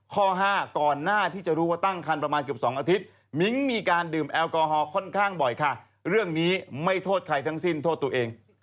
ข้อห้าก่อนหน้าที่จะรู้ว่าตั้งคันประมาณเกือบ๒อาทิตย์มิ้งมีการดื่มแอลกอฮอลค่อนข้างบ่อยค่ะเรื่องนี้ไม่โทษใครทั้งสิ้นโทษตัวเอง